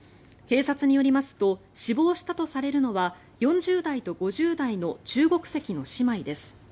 警察によりますと死亡したとされるのは４０代と５０代の中国籍の姉妹です。